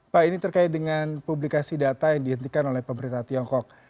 pak ini terkait dengan publikasi data yang dihentikan oleh pemerintah tiongkok